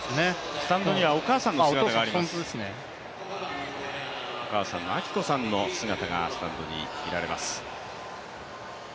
スタンドにはお母さんの姿がありますね、お母さんの明子さんの姿がスタンドに見られます。